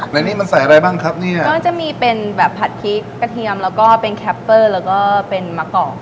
ในนี้มันใส่อะไรบ้างครับเนี่ยก็จะมีเป็นแบบผัดพริกกระเทียมแล้วก็เป็นแคปเปอร์แล้วก็เป็นมะกอก